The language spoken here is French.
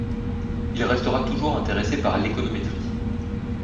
Il restera toujours intéressé par l'économétrie.